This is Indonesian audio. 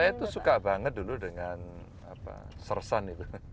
saya tuh suka banget dulu dengan sersan itu